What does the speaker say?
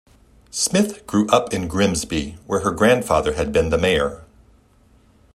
Smith grew up in Grimsby, where her grandfather had been the Mayor.